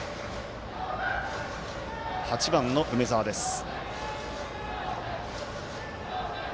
８番の梅澤です。